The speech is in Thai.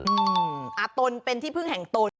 อาตนเป็นที่พึ่งแห่งตน